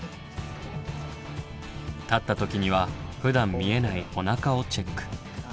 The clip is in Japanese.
立った時にはふだん見えないおなかをチェック。